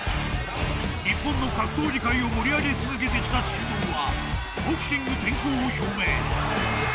［日本の格闘技界を盛り上げ続けてきた神童はボクシング転向を表明］